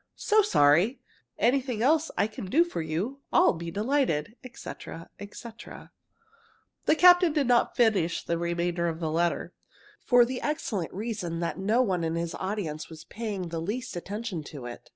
So sorry! Anything else I can do for you, I'll be delighted, etc., etc." The captain did not finish the remainder of the letter, for the excellent reason that no one of his audience was paying the least attention to it.